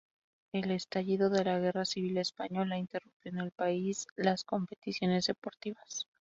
El estallido de la Guerra Civil Española interrumpió en el país las competiciones deportivas.